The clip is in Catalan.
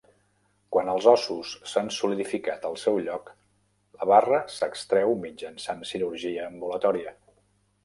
Quan els ossos s'han solidificat al seu lloc, la barra s'extreu mitjançant cirurgia ambulatòria.